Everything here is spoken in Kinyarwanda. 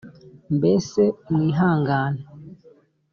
mbese mwihangane